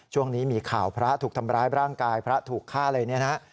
ช่วงนี้มีข่าวพระถูกทำร้ายร่างกายพระถูกฆ่าอะไรเนี่ยนะฮะ